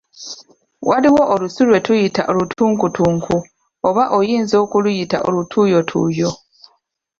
Waliwo olusu lwe tuyita "olutunkutunku", oba oyinza okuluyita olutuuyotuuyo.